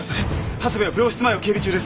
長谷部は病室前を警備中です。